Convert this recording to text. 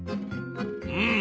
うん！